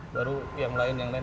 baru yang lain lain